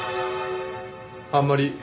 あんまり。